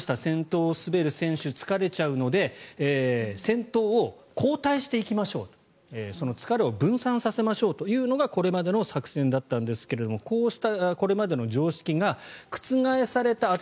先頭を滑る選手疲れちゃうので先頭を交代していきましょうとその疲れを分散させましょうというのがこれまでの作戦だったんですがそうしたこれまでの常識が覆された。